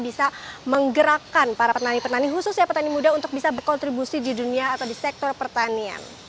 bisa menggerakkan para petani petani khususnya petani muda untuk bisa berkontribusi di dunia atau di sektor pertanian